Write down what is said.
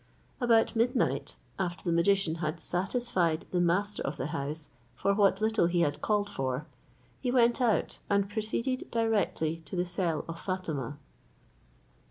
About midnight, after the magician had satisfied the master of the house for what little he had called for, he went out, and proceeded directly to the cell of Fatima.